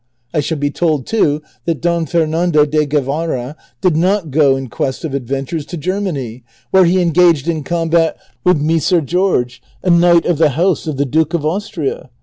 I shall be told, too, that Don Fernando de Guevara did not go in quest of adventures to Germany, where he engaged in combat with Micer George, a knight of the house of the Duke of Austria.